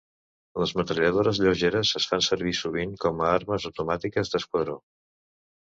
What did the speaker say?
Les metralladores lleugeres es fan servir sovint com a armes automàtiques d'esquadró.